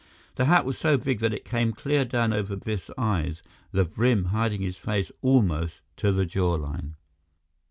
The hat was so big that it came clear down over Biff's eyes, the brim hiding his face almost to the jawline.